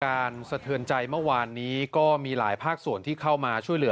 สะเทือนใจเมื่อวานนี้ก็มีหลายภาคส่วนที่เข้ามาช่วยเหลือ